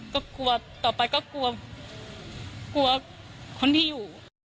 ก็กลัวต่อไปก็กลัวกลัวคนที่อยู่